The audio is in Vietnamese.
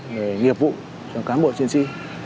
về nghiệp vụ cho cán bộ chiến sĩ